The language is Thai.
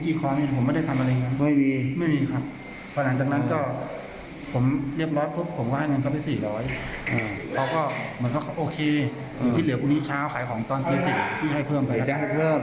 เหมือนกับโอเคที่เหลือพรุ่งนี้เช้าขายของตอนตี๑๐ให้เพิ่ม